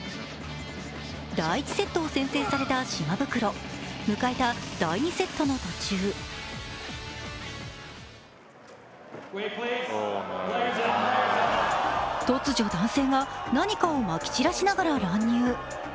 第１セットを先制された島袋、迎えた第２セットの途中突如、男性が何かをまき散らしながら乱入。